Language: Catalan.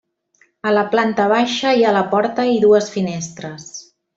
A la planta baixa hi ha la porta i dues finestres.